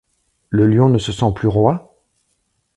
Le lion ne se sent plus roi ?